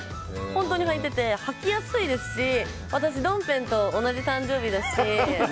本当に履いてて履きやすいですし私ドンペンと同じ誕生日だし。